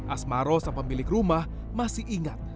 asmaros pemilik rumah masih ingat